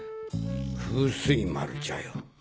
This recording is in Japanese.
風水丸じゃよ。